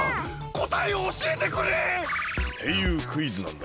こたえをおしえてくれ！っていうクイズなんだ。